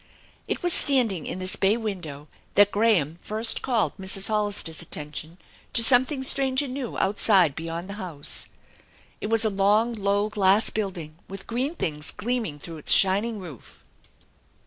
It was standing in this bay window that Graham first called Mrs. Hoilister's attention to something strange and new outside/ behind the house. It was a long, low glass building with green things gleaming through its shining roof.